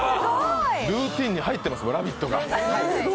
ルーチンに入ってます、「ラヴィット！」が。